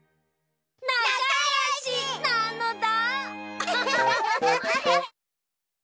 なかよし！なのだ。